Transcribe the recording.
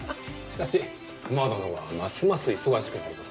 しかし熊殿はますます忙しくなりますな。